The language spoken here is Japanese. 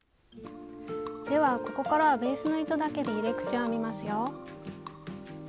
ではここからはベースの糸だけで入れ口を編みますよ。